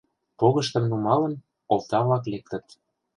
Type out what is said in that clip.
Погыштым нумалын, овда-влак лектыт.